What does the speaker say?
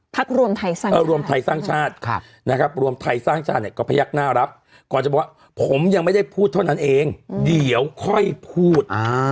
รวมไทยสร้างชาตินะครับรวมไทยสร้างชาติเนี่ยก็พยักหน้ารับก่อนจะบอกว่าผมยังไม่ได้พูดเท่านั้นเองเดี๋ยวค่อยพูด